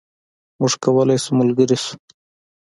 موږ کولای شو ملګري شو.